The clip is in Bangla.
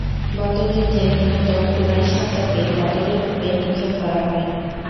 বদর যুদ্ধে নিহত কুরায়শ সর্দারকে বদরের কূপে নিক্ষেপ করা হয়।